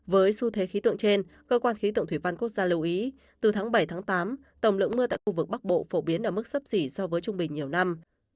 với xu thế khí tượng trên cơ quan khí tượng thủy văn quốc gia lưu ý từ tháng bảy tám tổng lượng mưa tại khu vực bắc bộ phổ biến ở mức sấp xỉ so với trung bình nhiều năm